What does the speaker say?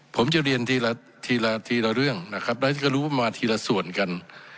ผมจะเรียนทีละทีละทีละเรื่องนะครับแล้วที่ก็รู้ว่ามาทีละส่วนกัน